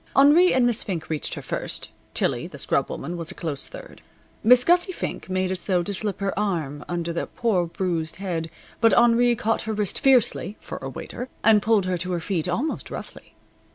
Henri and Miss Fink reached her first. Tillie, the scrub woman, was a close third. Miss Gussie Fink made as though to slip her arm under the poor bruised head, but Henri caught her wrist fiercely (for a waiter) and pulled her to her feet almost roughly.